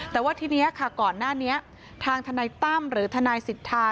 แต่ว่าที่นี้ก่อนหน้านี้ทางทนไหนต้ำหรือทนายสิทธา